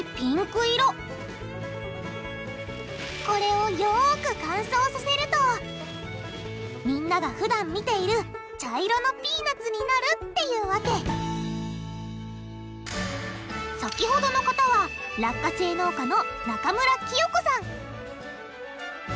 これをよく乾燥させるとみんながふだん見ている茶色のピーナツになるっていうわけ先ほどの方は落花生農家の中村喜代子さん